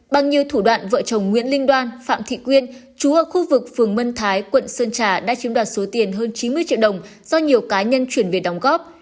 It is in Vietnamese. bằng nhiều thủ đoạn vợ chồng nguyễn linh đoan phạm thị quyên chú ở khu vực phường mân thái quận sơn trà đã chiếm đoạt số tiền hơn chín mươi triệu đồng do nhiều cá nhân chuyển về đóng góp